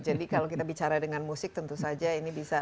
jadi kalau kita bicara dengan musik tentu saja ini bisa